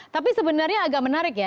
tapi sebenarnya agak menarik ya